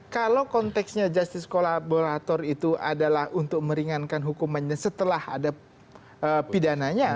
kalau konteksnya justice kolaborator itu adalah untuk meringankan hukumannya setelah ada pidananya